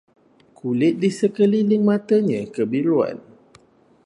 Kulit di sekeliling matanya kebiruan